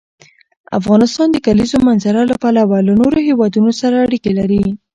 افغانستان د د کلیزو منظره له پلوه له نورو هېوادونو سره اړیکې لري.